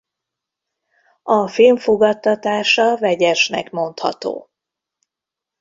A film fogadtatása vegyesnek mondható.